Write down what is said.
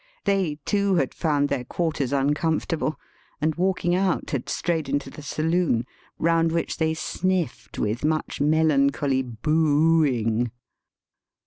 They, too, had found their quarters uncomfortable, and, walking out, had strayed into the saloon, roxmd which they sniffed with much melancholy boo ooing.